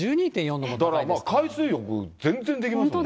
海水浴、全然できますよね。